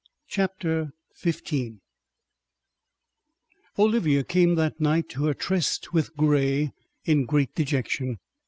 CHAPTER XV Olivia came that night to her tryst with Grey in a great dejection.